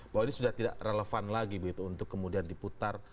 bahwa ini sudah tidak relevan lagi begitu untuk kemudian diputar